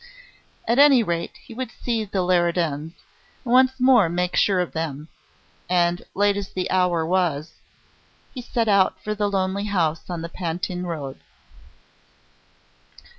At any rate, he would see the Leridans, and once more make sure of them; and, late as was the hour, he set out for the lonely house on the Pantin Road.